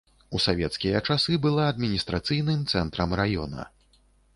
У савецкія часы была адміністрацыйным цэнтрам раёна.